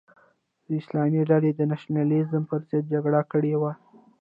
د اسلامي ډلې د نشنلیزم پر ضد جګړه کړې وه.